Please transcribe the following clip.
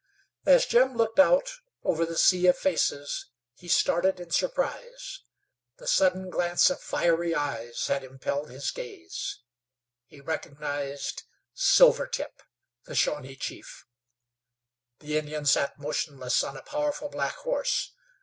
As Jim looked out over the sea of faces he started in surprise. The sudden glance of fiery eyes had impelled his gaze. He recognized Silvertip, the Shawnee chief. The Indian sat motionless on a powerful black horse.